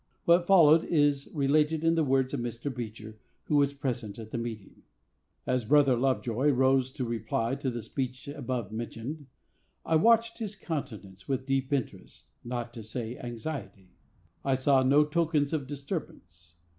What followed is related in the words of Mr. Beecher, who was present at the meeting: As Brother Lovejoy rose to reply to the speech above mentioned, I watched his countenance with deep interest, not to say anxiety. I saw no tokens of disturbance.